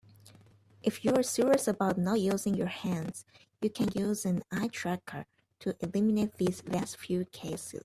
If you're serious about not using your hands, you can use an eye tracker to eliminate these last few cases.